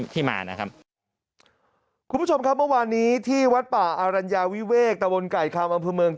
ที่มานะครับคุณผู้ชมครับเมื่อวานนี้ที่วัดป่าอรัญญาวิเวกตะวนไก่คำอำเภอเมือง